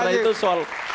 karena itu soal